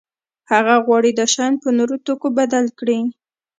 هغه غواړي دا شیان په نورو توکو بدل کړي.